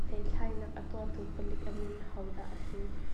Hlethlainak a tuahtu palik a min hodah a si?